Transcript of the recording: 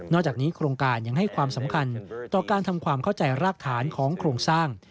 อกจากนี้โครงการยังให้ความสำคัญต่อการทำความเข้าใจรากฐานของโครงสร้าง